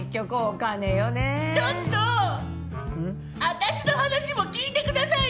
私の話も聞いてくださいよ！